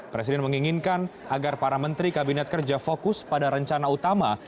presiden menginginkan agar para menteri kabinet kerja fokus pada rencana utama